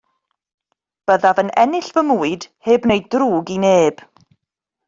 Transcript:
Byddaf yn ennill fy mwyd heb wneud drwg i neb.